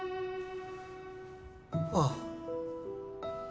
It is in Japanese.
ああ。